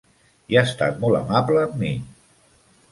I ha estat molt amable amb mi.